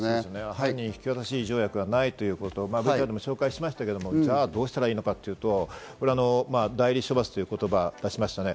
犯人引き渡し条約がないということをＶＴＲでもご紹介しましたが、どうすればいいのかというと、代理処罰ということがありますね。